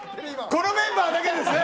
このメンバーだけですね。